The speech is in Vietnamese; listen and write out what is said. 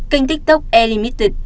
kênh tiktok e limited